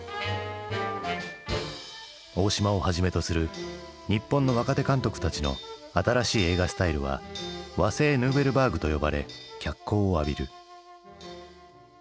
大島をはじめとする日本の若手監督たちの新しい映画スタイルは和製ヌーベルバーグと呼ばれ脚光を浴びる。